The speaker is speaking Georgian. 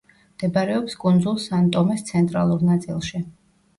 მდებარეობს კუნძულ სან-ტომეს ცენტრალურ ნაწილში.